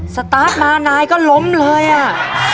สตาร์ทมานายก็ล้มเลยอ่ะ